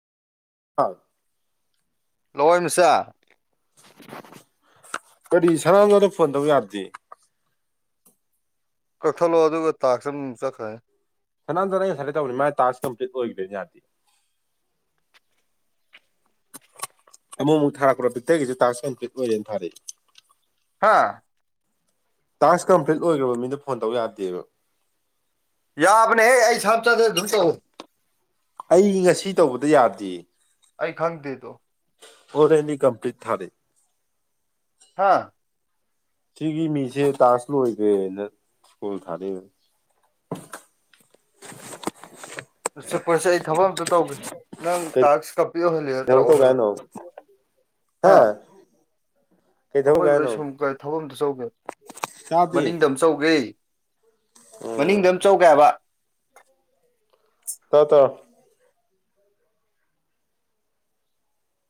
ꯍꯥꯎ ꯂꯋꯥꯏ ꯃꯆꯥ ꯀꯔꯤ ꯁꯅꯥꯅꯗ ꯐꯣꯟ ꯇꯧꯕ ꯌꯥꯗꯦ ꯀꯛꯊꯠꯂꯣ ꯑꯗꯨꯒ ꯇꯥꯛꯁ ꯑꯗꯨꯝ ꯆꯠꯈ꯭ꯔꯦ ꯁꯅꯥꯝꯗꯅ ꯑꯩ ꯁꯥꯏ ꯇꯕꯅꯤ ꯃꯥꯏ ꯇꯥꯛꯁ ꯀꯝꯄ꯭ꯠ ꯑꯣꯏꯈꯤꯕꯗꯅꯤ ꯌꯥꯔꯗꯤ ꯑꯃꯨꯛꯃꯨꯛꯥꯔꯛꯄ ꯤꯛꯇꯔꯒꯤꯁꯨ ꯇꯥꯛꯁ ꯀ꯭ꯠ ꯑꯣꯏꯔꯅ ꯊꯥꯔꯛꯏ ꯍꯥꯥ ꯇꯥꯛꯁ ꯀꯝꯄ꯭ꯂꯤꯠ ꯑꯣꯏꯈ꯭ꯔꯕ ꯃꯤꯅ ꯐꯣꯟ ꯇꯧ ꯌꯥꯗꯦꯕ ꯌꯥꯕꯅꯦ ꯑꯩ ꯁꯇ ꯑꯩ ꯉꯁꯤ ꯇꯧꯕꯗ ꯌꯥꯗ꯭ꯦ ꯑꯩ ꯈꯪꯗꯦ ꯇꯣ ꯑꯣꯔꯦꯅꯤ ꯀꯝꯄ꯭ꯂꯤꯠ ꯊꯥꯔꯦ ꯍꯥꯥ ꯁꯤꯒꯤ ꯃꯤꯁꯦ ꯇꯥꯁ ꯂꯣꯏꯗ꯭ꯔꯦꯅ ꯀꯀꯣꯜ ꯊꯥꯅꯩꯑꯕ ꯆꯦꯄꯔꯁꯦ ꯑꯩ ꯊꯕꯛ ꯑꯝꯇ ꯇꯧꯒꯦ ꯅꯪ ꯀꯩ ꯇ ꯄꯍ ꯅꯠꯇ꯭ꯔ ꯊꯕꯛ ꯇꯧꯒꯦ ꯑꯣꯍꯂꯣ ꯍꯥꯏꯅꯣ ꯍꯥ ꯀꯩ ꯊꯕꯛ ꯇꯧꯒꯦ ꯑꯩꯈꯣꯏꯕ ꯍꯥꯏꯅꯣ ꯁꯨꯝ ꯀꯥꯏ ꯊꯕꯛ ꯑꯝꯇ ꯆꯧꯒꯦ ꯇꯥꯗꯦ ꯃꯅꯤꯡꯗ ꯆꯧꯒꯦ ꯎꯝ ꯃꯅꯤꯡꯗ ꯑꯝ ꯆꯧꯒꯦ ꯍꯥꯏꯕ ꯇꯧꯔꯣ ꯇꯧꯔꯣ